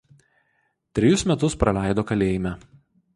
Trejus metus praleido kalėjime.